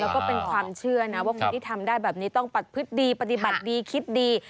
แล้วก็เป็นความเชื่อนะว่าคนที่ทำได้แบบนี้ต้องปัดพฤติดีปฏิบัติดีคิดดี